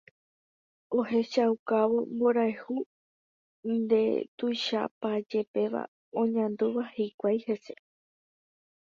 ohechaukávo mborayhu ndetuichapajepéva oñandúva hikuái hese.